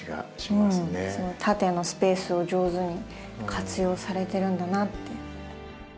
縦のスペースを上手に活用されてるんだなって。